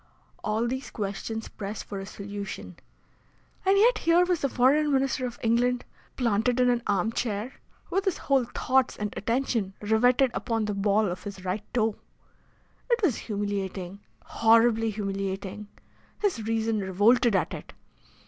All these questions pressed for a solution, and yet here was the Foreign Minister of England, planted in an arm chair, with his whole thoughts and attention riveted upon the ball of his right toe! It was humiliating horribly humiliating! His reason revolted at it.